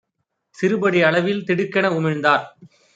சிறுபடி அளவில் திடுக்கென உமிழ்ந்தார்.